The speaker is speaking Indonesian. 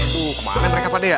tuh kemana mereka pakde ya